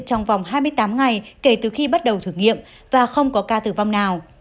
trong vòng hai mươi tám ngày kể từ khi bắt đầu thử nghiệm và không có ca tử vong nào